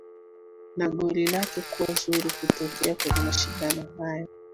Na goli lake kuwa zuri kutokea kwenye mashindano hayo